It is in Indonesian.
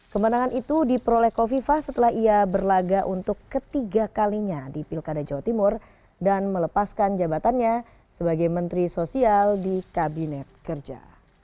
kemenangan itu diperoleh kofifa setelah ia berlaga untuk ketiga kalinya di pilkada jawa timur dan melepaskan jabatannya sebagai menteri sosial di kabinet kerja